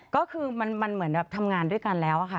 ก็คือมันเหมือนแบบทำงานด้วยกันแล้วค่ะ